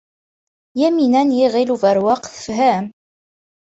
Yamina n Yiɣil Ubeṛwaq tefhem.